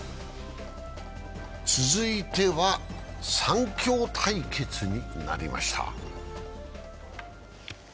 続いては３強対決になりました。